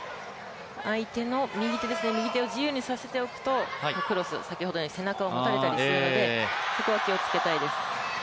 相手の右手を自由にさせておくと、クロス、先ほど背中を持たれたりするので、そこは気をつけたいです。